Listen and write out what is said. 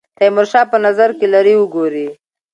تیمورشاه په نظر کې لري وګوري.